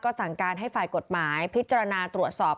สั่งการให้ฝ่ายกฎหมายพิจารณาตรวจสอบ